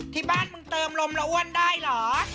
ที่บ้านมึงเติมลมแล้วอ้วนได้เหรอ